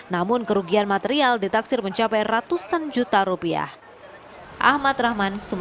namun kerugian material ditaksir mencapai ratusan juta rupiah